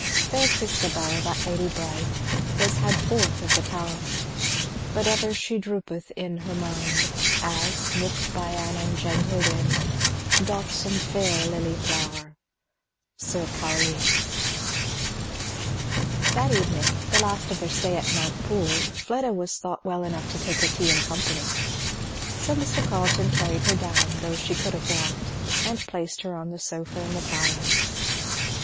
Faire Christabelle, that ladye bright, Was had forth of the towre: But ever she droopeth in her minde, As, nipt by an ungentle winde, Doth some faire lillye flowre. Syr Cauline That evening, the last of their stay at Montepoole, Fleda was thought well enough to take her tea in company. So Mr. Carleton carried her down, though she could have walked, and placed her on the sofa in the parlour.